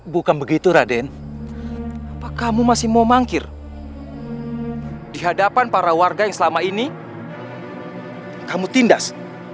bukan begitu raden apa kamu masih mau mangkir di hadapan para warga yang selama ini kamu tindak